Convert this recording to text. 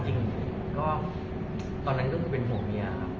ก็จริงก็ตอนนั้นก็เป็นหัวเมียครับ